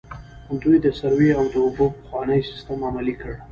دوی د سروې او د اوبو پخوانی سیستم عملي کړ.